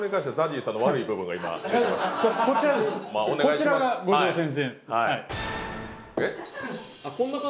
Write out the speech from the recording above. こちらが五条先生です。